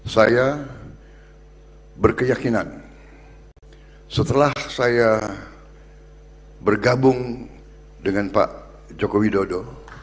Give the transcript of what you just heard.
saya berkeyakinan setelah saya bergabung dengan pak joko widodo